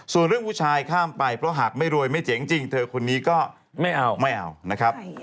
ส่วนเรื่องผู้ชายข้ามไปเพราะหากไม่รวยไม่เจ๋งจริงเธอคนนี้ก็ไม่เอาไม่เอานะครับ